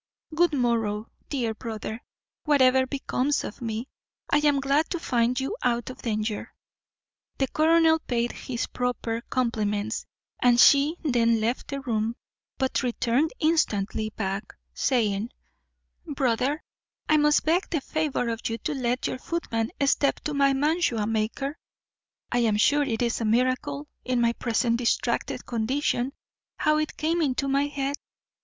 Good morrow, dear brother; whatever becomes of me, I am glad to find you out of danger." The colonel paid her his proper compliments, and she then left the room, but returned instantly back, saying, "Brother, I must beg the favour of you to let your footman step to my mantua maker; I am sure it is a miracle, in my present distracted condition, how it came into my head."